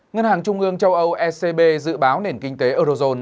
ngân hàng trung ương châu âu ecb dự báo nền kinh tế eurozone